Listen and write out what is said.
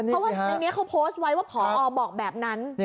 เพราะว่าในนี้เขาโพสต์ไว้ว่าพอบอกแบบนั้น